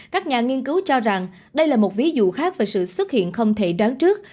các nhà nghiên cứu cho rằng đây là một ví dụ khác và sự xuất hiện không thể đoán trước